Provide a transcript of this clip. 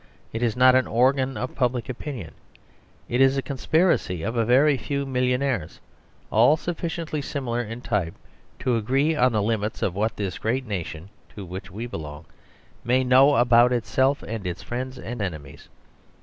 It is not an organ of public opinion. It is a conspiracy of a very few millionaires, all sufficiently similar in type to agree on the limits of what this great nation (to which we belong) may know about itself and its friends and enemies.